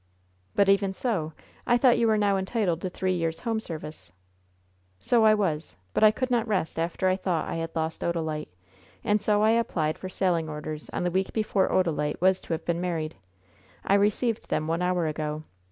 "But, even so, I thought you were now entitled to three years home service?" "So I was, but I could not rest after I thought I had lost Odalite, and so I applied for sailing orders on the week before Odalite was to have been married. I received them one hour ago.